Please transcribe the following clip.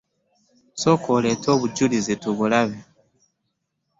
Sooka oleete obujulizi tubulabe.